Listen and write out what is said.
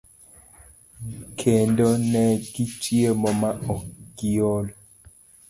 kendo ne gichiemo ma ok giol.